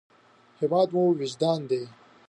هېواد مو وجدان دی